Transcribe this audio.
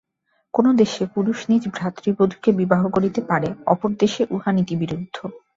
কোন দেশে পুরুষ নিজ ভ্রাতৃবধূকে বিবাহ করিতে পারে, অপর দেশে উহা নীতি-বিরুদ্ধ।